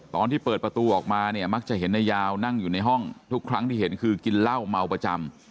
ตอนที่เปิดประตูออกมาเนี่ยมักจะเห็นนายยาวนั่งอยู่ในห้องทุกครั้งที่เห็นคือกินเหล้าเมาประจำ